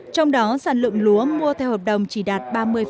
trong đó sản lượng lúa mua theo hợp đồng chỉ đạt ba mươi